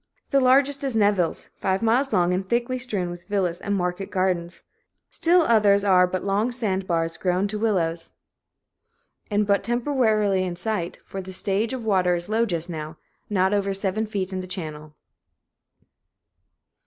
The largest is Neville's, five miles long and thickly strewn with villas and market gardens; still others are but long sandbars grown to willows, and but temporarily in sight, for the stage of water is low just now, not over seven feet in the channel.